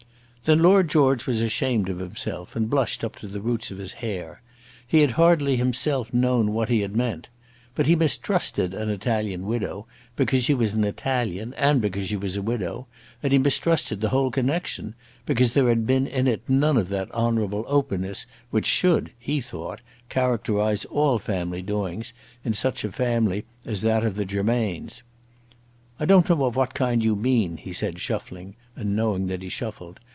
Then Lord George was ashamed of himself, and blushed up to the roots of his hair. He had hardly himself known what he had meant. But he mistrusted an Italian widow, because she was an Italian, and because she was a widow, and he mistrusted the whole connexion, because there had been in it none of that honourable openness which should, he thought, characterise all family doings in such a family as that of the Germains. "I don't know of what kind you mean," he said, shuffling, and knowing that he shuffled.